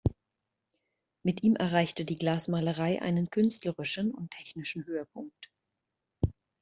Mit ihm erreichte die Glasmalerei einen künstlerischen und technischen Höhepunkt.